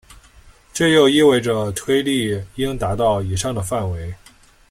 这就意味着推力应达到以上的范围。